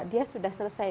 dia sudah selesai